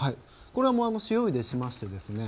これは塩ゆでしましてですね